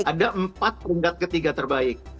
ada empat peringkat ketiga terbaik